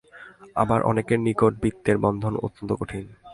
আবার অনেকের নিকট বিত্তের বন্ধন অত্যন্ত কঠিন।